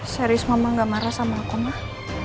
serius mama gak marah sama aku mah